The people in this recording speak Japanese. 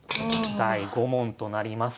第５問となります。